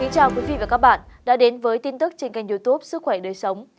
chào các bạn đã đến với tin tức trên kênh youtube sức khỏe đời sống